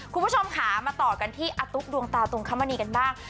คุณผู้ชมค่ะมาต่อกันที่อตุ๊กดวงตาตุงคมณีกันบ้าง